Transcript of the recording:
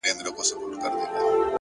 د زړه سکون له رښتینولۍ راځي!